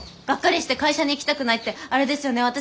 「ガッカリして会社に行きたくない」ってあれですよね